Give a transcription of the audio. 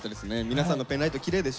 皆さんのペンライトきれいでしょ。